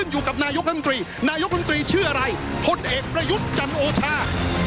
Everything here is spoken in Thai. อยู่กับนายกรัฐมนตรีนายกลำตรีชื่ออะไรพลเอกประยุทธ์จันโอชา